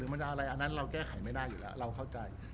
มันจะอะไรอันนั้นเราแก้ไขไม่ได้อยู่แล้วเราเข้าใจ